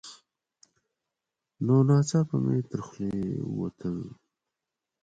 نو ناڅاپه مې تر خولې ووتل: